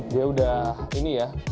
dia udah ini ya